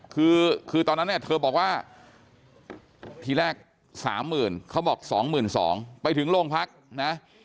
คือคือตอนนั้นเนี่ยเธอบอกว่าทีแรก๓๐๐๐เขาบอก๒๒๐๐ไปถึงโรงพักนะ